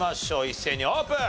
一斉にオープン！